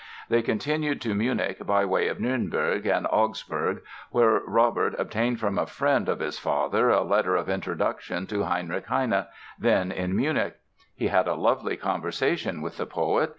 They continued to Munich by way of Nürnberg and Augsburg, where Robert obtained from a friend of his father a letter of introduction to Heinrich Heine, then in Munich. He had a lively conversation with the poet.